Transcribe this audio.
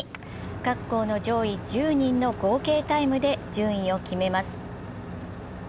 各校の上位１０人の合計タイムで順位を決めます。